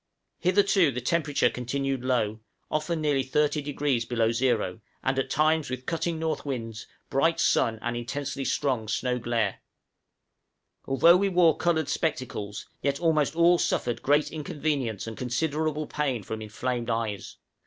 Hitherto the temperature continued low, often nearly 30° below zero, and at times with cutting north winds, bright sun, and intensely strong snow glare. Although we wore colored spectacles, yet almost all suffered great inconvenience and considerable pain from inflamed eyes.